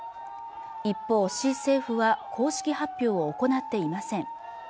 一方市政府は公式発表を行っていません